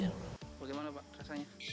bagaimana pak rasanya